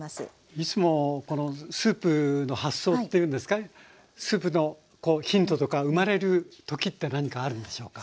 いつもスープの発想っていうんですかスープのヒントとか生まれる時って何かあるんでしょうか。